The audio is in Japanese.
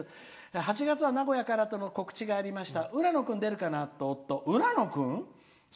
「８月は名古屋からとの告知がありました。